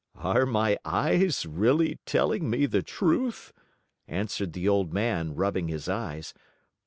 "Are my eyes really telling me the truth?" answered the old man, rubbing his eyes.